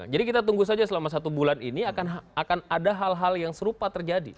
jadi kita tunggu saja selama satu bulan ini akan ada hal hal yang serupa terjadi